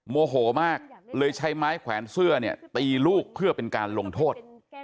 โมโหมากเลยใช้ไม้แขวนเสื้อเนี่ยตีลูกเพื่อเป็นการลงโทษ